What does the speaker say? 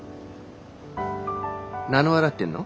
何笑ってんの？